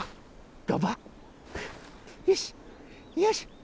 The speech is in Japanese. よし！